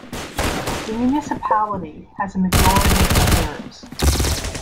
The municipality has a majority of Serbs.